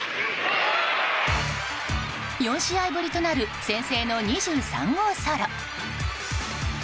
４試合ぶりとなる先制の２３号ソロ。